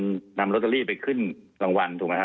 เป็นคนนำโรตเตอรี่ไปขึ้นรางวัลถูกไหมคะ